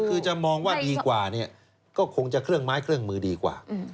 คือจะมองว่าดีกว่าเนี่ยก็คงจะเครื่องไม้เครื่องมือดีกว่า